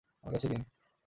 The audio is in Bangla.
আমার কাছে দিন।